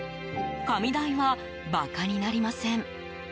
紙代は、馬鹿になりません。